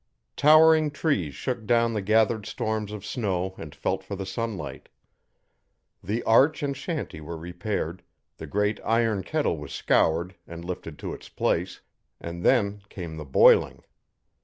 Towering trees shook down the gathered storms of snow and felt for the sunlight. The arch and shanty were repaired, the great iron kettle was scoured and lifted to its place, and then came the boiling.